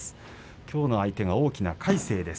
きょうの相手が大きな魁聖です。